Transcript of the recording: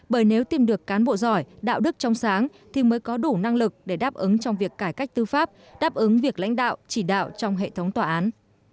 bởi nếu tìm được cán bộ giỏi đạo đức trong sáng thì mới có đủ năng lực để đáp ứng trong việc cải cách tư pháp đáp ứng việc lãnh đạo chỉ đạo trong hệ thống tòa án